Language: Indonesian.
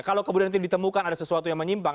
kalau kemudian nanti ditemukan ada sesuatu yang menyimpang